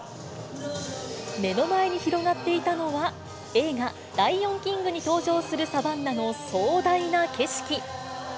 目の前に広がっていたのは、映画、ライオン・キングに登場するサバンナの壮大な景色。